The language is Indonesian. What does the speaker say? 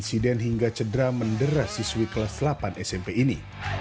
dan insiden hingga cedera menderah siswi kelas delapan smp ini